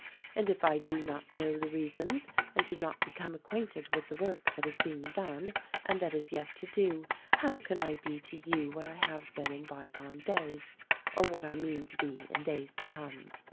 And if I do not know the reasons and do not become acquainted with the work that is being done and that is yet to do, how can I be to you what I have been in bygone days, or what I mean to be in days to come."